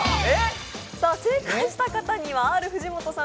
正解した方にはＲ藤本さん